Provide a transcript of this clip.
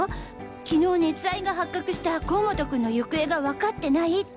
昨日熱愛が発覚した光本君の行方がわかってないって。